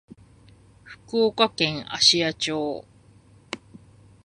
福岡県芦屋町